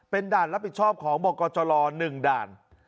เป็นด่านรับผิดชอบของบกจร๑ด่าน